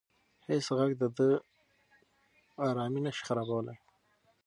هیڅ غږ د ده ارامي نه شي خرابولی.